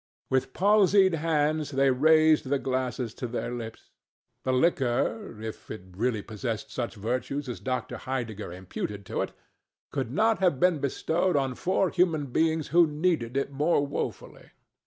With palsied hands they raised the glasses to their lips. The liquor, if it really possessed such virtues as Dr. Heidegger imputed to it, could not have been bestowed on four human beings who needed it more woefully.